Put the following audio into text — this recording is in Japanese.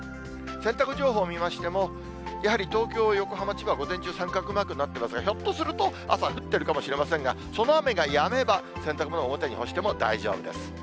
洗濯情報見ましても、やはり東京、横浜、千葉、午前中、三角マークになってますが、ひょっとすると朝降ってるかもしれませんが、その雨がやめば、洗濯物、表に干しても大丈夫です。